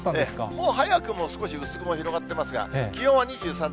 もう早くも少し薄雲広がっていますが、気温は２３．１度。